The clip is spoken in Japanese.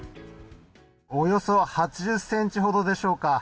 およそ８０ｃｍほどでしょうか。